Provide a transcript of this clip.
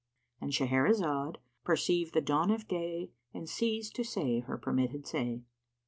—And Shahrazad perceived the dawn of day and ceased to say her permitted say.